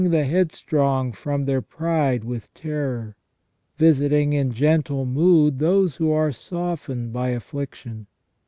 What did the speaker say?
the headstrong from their pride with terror; visiting in gentle mood those who are softened by affliction.